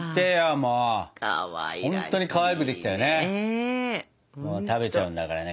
もう食べちゃうんだからね